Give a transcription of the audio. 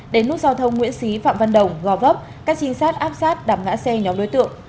đến nút giao thông nguyễn xí phạm văn đồng gò vấp các trinh sát áp sát đạp ngã xe nhóm đối tượng